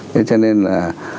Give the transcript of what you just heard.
thế cho nên là